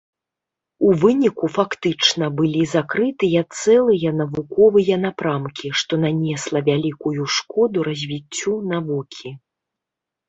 У выніку фактычна былі закрыты цэлыя навуковыя напрамкі, што нанесла вялікую шкоду развіццю навукі.